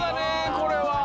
これは。